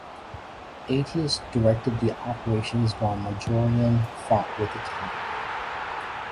Aetius directed the operations while Majorian fought with the cavalry.